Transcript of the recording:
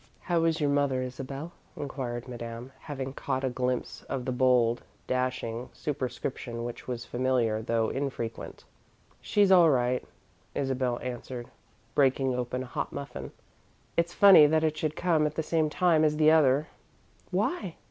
"How is your mother, Isabel?" inquired Madame, having caught a glimpse of the bold, dashing superscription which was familiar, though infrequent. "She's all right," Isabel answered, breaking open a hot muffin. "It's funny that it should come at the same time as the other." "Why?"